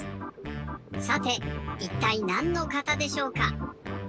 さていったいなんの型でしょうか？